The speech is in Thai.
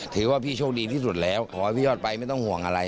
ถือว่าพี่โชคดีที่สุดแล้วขอให้พี่ยอดไปไม่ต้องห่วงอะไร